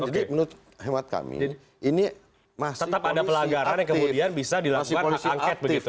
jadi menurut hemat kami ini masih polisi aktif